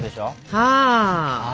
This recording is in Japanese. はあ！